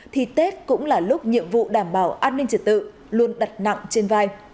thì tết cũng là lúc nhiệm vụ đảm bảo an ninh trật tự luôn đặt nặng trên vai